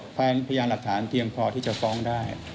พยานหลักฐานเพียงพอที่จะฟ้องได้